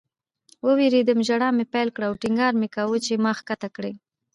ووېرېدم. ژړا مې پیل کړه او ټینګار مې کاوه چې ما ښکته کړئ